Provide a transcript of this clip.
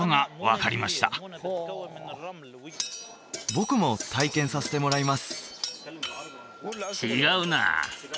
僕も体験させてもらいます